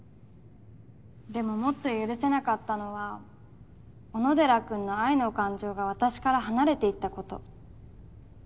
でももっと許せなかったのは小野寺君の「愛」の感情が私から離れていったこと。